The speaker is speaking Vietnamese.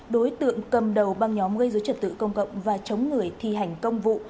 đối tượng cầm đầu băng nhóm gây dối trật tự công cộng và chống người thi hành công vụ